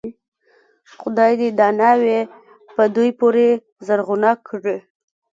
خدای دې دا ناوې په دوی پورې زرغونه کړي.